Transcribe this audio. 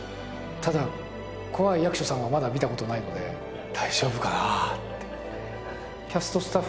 ただ怖い役所さんをまだ見たことないので大丈夫かなってキャストスタッフ